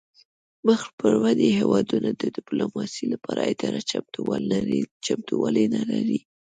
مخ پر ودې هیوادونه د ډیپلوماسي لپاره اداري چمتووالی نلري